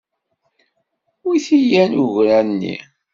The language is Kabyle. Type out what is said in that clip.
Wi t-ilan ugra-nni?